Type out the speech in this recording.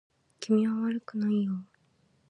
君は悪くないよ